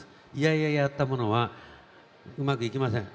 いやいややったものはうまくいきません。